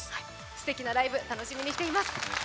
すてきなライブ楽しみにしています。